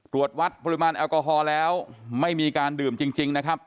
ตรวจวัดปริมาณแอลกอฮอล์แล้วไม่มีการดื่มจริงนะครับ